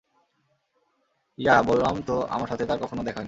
Yeah, বললাম তো আমার সাথে তার কখনো দেখা হয়নি।